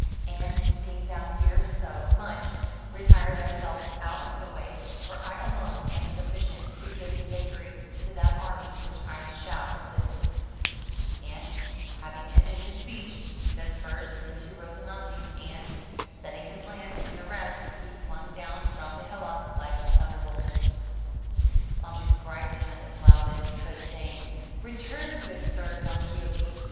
And, seeing thou fearest so 98 FROM THE TOWER WINDOW much, retire thyself out of the way; for I alone am sufficient to give the victory to that army which I shall assist/' And, having ended his speech, he set spurs to Rozinante, and, setting his lance in the rest, he flung down from the hillock like a thunderbolt. Sancho cried to him as loud as he could, saying, "Return, good sir Don Quixote!